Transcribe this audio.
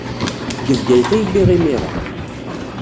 Deg Bgayet ay lliɣ imir-a.